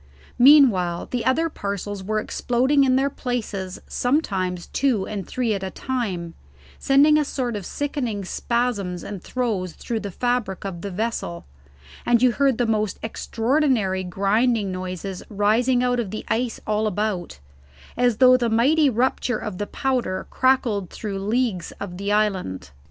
Meanwhile, the other parcels were exploding in their places sometimes two and three at a time, sending a sort of sickening spasms and throes through the fabric of the vessel, and you heard the most extraordinary grinding noises rising out of the ice all about, as though the mighty rupture of the powder crackled through leagues of the island.